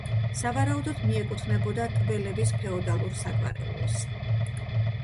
სავარაუდოდ მიეკუთვნებოდა ტბელების ფეოდალურ საგვარეულოს.